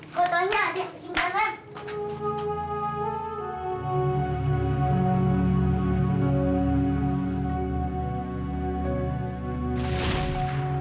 kotonya ada di keringkalan